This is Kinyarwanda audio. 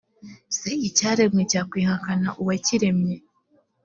se icyaremwe cyakwihakana uwakiremye